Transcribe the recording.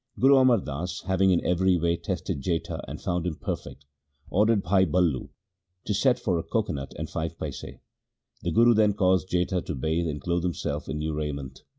Guru Amar Das, having in every way tested Jetha and found him perfect, ordered Bhai Ballu to send for a coco nut and five paise. The Guru then caused Jetha to bathe and clothe himself in new raiment.